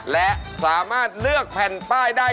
และสามารถเลือกแผ่นป้ายได้